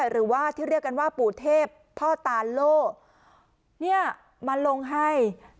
หรือว่าที่เรียกกันว่าปู่เทพพ่อตาโล่เนี่ยมาลงให้